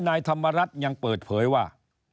นายธรรมรัฐยังเปิดเผยว่า